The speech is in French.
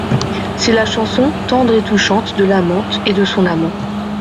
C’est la chanson, tendre et touchante De l’amante et de son amant.